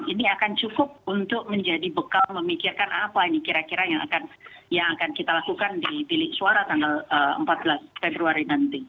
ini akan cukup untuk menjadi bekal memikirkan apa ini kira kira yang akan kita lakukan di bilik suara tanggal empat belas februari nanti